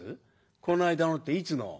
この間のっていつの？